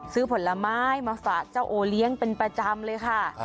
ผลไม้มาฝากเจ้าโอเลี้ยงเป็นประจำเลยค่ะ